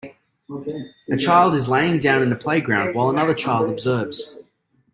A child is laying down in a playground, while another child observes.